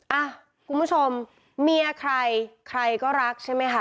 อ่ะคุณผู้ชมเมียใครใครก็รักใช่ไหมคะ